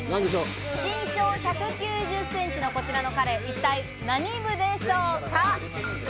身長１９０センチのこちらの彼、一体何部でしょうか？